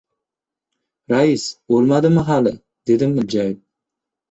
— Rais o‘lmadimi hali?! — dedim iljayib.